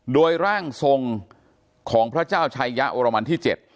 โดยร่างทรงของพระเจ้าชัยยะโอรมันที่๗